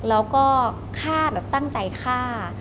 แล้วก็ฆ่าแบบตั้งใจฆ่า